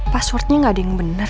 passwordnya gak ada yang benar